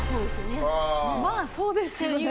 まあ、そうですよね？